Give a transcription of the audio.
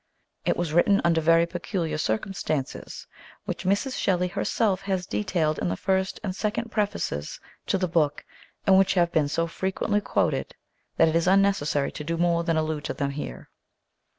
It was written under very peculiar circumstances, which Mrs. Shelley herself has detailed in the first and second prefaces to the book and which have been so frequently quoted that it is unnecessary to do more than allude to them here.